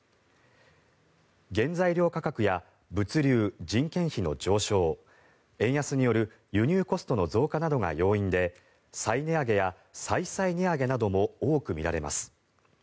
原材料価格や物流・人件費の上昇円安による輸入コストの増加などが要因で再値上げや再々値上げなども多く見られます。